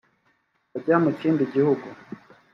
bajya mu kindi gihugu